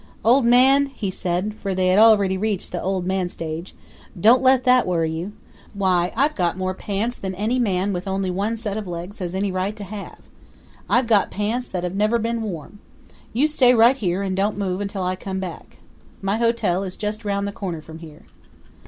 "Old Man," he said for they had already reached the Old Man stage "don't let that worry you. Why, I've got more pants than any man with only one set of legs has any right to have. I've got pants that've never been worn. You stay right here and don't move until I come back. My hotel is just round the corner from here."